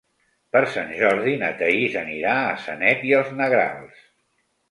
Per Sant Jordi na Thaís anirà a Sanet i els Negrals.